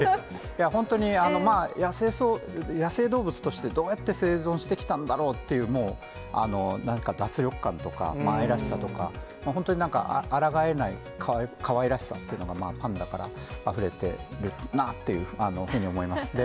本当に野生動物として、どうやって生存してきたんだろうという、もうなんか脱力感とか、愛らしさとか、あらがえないかわいらしさっていうのが、パンダからあふれてるなっていうふうに思います。